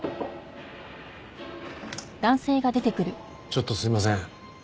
ちょっとすいません。